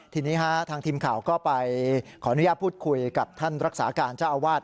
ทีนี้ทางทีมข่าวก็ไปขออนุญาตพูดคุยกับท่านรักษาการเจ้าอาวาส